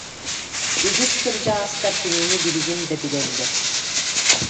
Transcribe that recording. Үгүс кырдьаҕастар кинини билигин да билэллэр